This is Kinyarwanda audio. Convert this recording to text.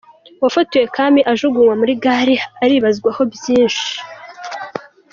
Uwafotoye kami ajugunywa muri Gari aribazwaho byinshi